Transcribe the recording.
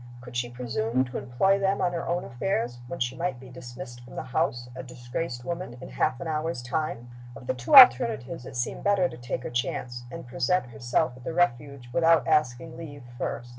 Could she presume to employ them on her own affairs, when she might be dismissed from the house, a disgraced woman, in half an hour's time? Of the two alternatives it seemed better to take her chance, and present herself at the Refuge without asking leave first.